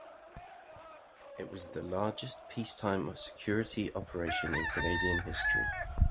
It was the largest peacetime security operation in Canadian history.